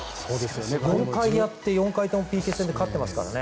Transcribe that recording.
４回やって４回ともＰＫ戦で勝ってますからね。